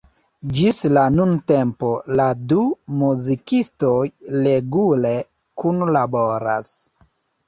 Ĝis la nuntempo la du muzikistoj regule kunlaboras.